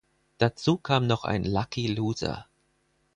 Dazu kam noch ein Lucky Loser.